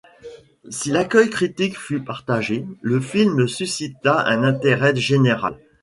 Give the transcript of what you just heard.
Si l'accueil critique fut partagé, le film suscita un intérêt général.